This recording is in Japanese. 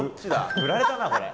フラれたなこれ。